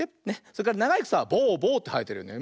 それからながいくさはボゥボゥってはえてるよね。